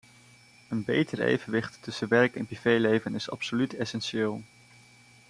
Een beter evenwicht tussen werk en privéleven is absoluut essentieel.